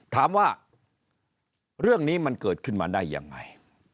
ถามว่าเรื่องนี้มันเกิดขึ้นมาได้ยังไง